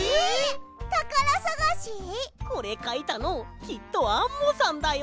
これかいたのきっとアンモさんだよ。